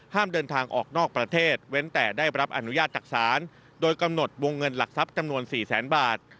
เดินทางออกนอกประเทศเว้นแต่ได้รับอนุญาตจากศาลโดยกำหนดวงเงินหลักทรัพย์จำนวน๔แสนบาท